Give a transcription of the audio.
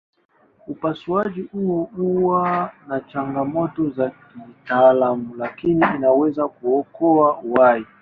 Upasuaji huo huwa na changamoto za kitaalamu lakini inaweza kuokoa uhai.